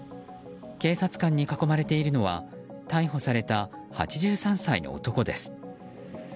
警察官に囲まれているのは逮捕された８３歳の男です。